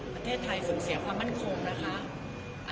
ประเทศไทยสูญเสียความมั่นคงนะคะ